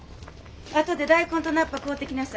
あとで大根と菜っぱ買うてきなさい。